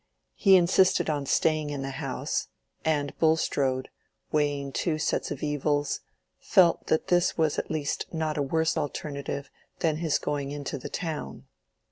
He insisted on staying in the house, and Bulstrode, weighing two sets of evils, felt that this was at least not a worse alternative than his going into the town.